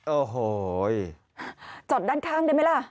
โอ้โหจอดด้านข้างได้ไหมล่ะ